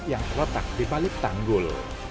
yang terletak di balik tanggul